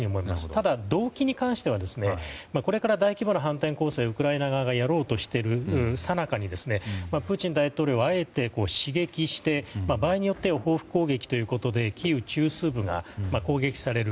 ただ、動機に関してはこれから大規模な反転攻勢をウクライナ側がやろうとしているさなかにプーチン大統領をあえて刺激して場合によっては報復攻撃ということでキーウ中枢部が攻撃される。